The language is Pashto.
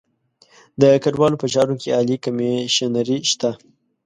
د کډوالو په چارو کې عالي کمیشنري شته.